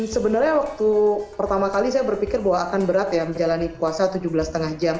sebenarnya waktu pertama kali saya berpikir bahwa akan berat ya menjalani puasa tujuh belas lima jam